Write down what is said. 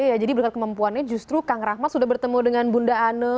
iya jadi berkat kemampuannya justru kang rahmat sudah bertemu dengan bunda ane